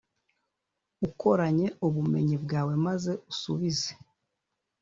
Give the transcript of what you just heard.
ukoranye ubumenyi bwawe, maze usubize.